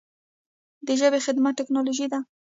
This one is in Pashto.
د ژبې خدمت ټکنالوژي ده.